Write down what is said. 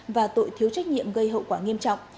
và tội thiếu trách nhiệm gây hậu quả nghiêm trọng